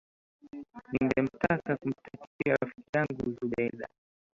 ningetaka kumtakia rafiki yangu zubeda